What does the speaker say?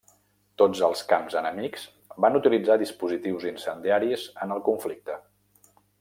Tots els camps enemics van utilitzar dispositius incendiaris en el conflicte.